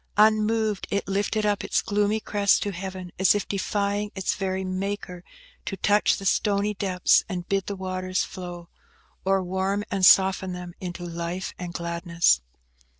Unmoved, it lifted up its gloomy crest to Heaven, as if defying its very Maker to touch the stony depths and bid the waters flow, or warm and soften them into life and gladness!